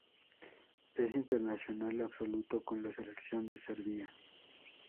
Es internacional absoluto con la selección de Serbia.